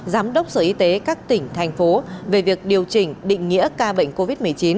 giám đốc sở y tế các tỉnh thành phố về việc điều chỉnh định nghĩa ca bệnh covid một mươi chín